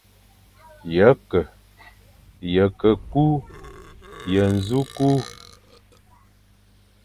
Ye ke, ye ke kü, ye nẑu kü,